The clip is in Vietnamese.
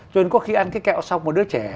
cho nên có khi ăn cái kẹo xong một đứa trẻ